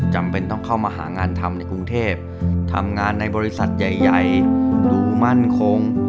จำเป็นต้องเข้ามาหางานทำในกรุงเทพทำงานในบริษัทใหญ่ดูมั่นคง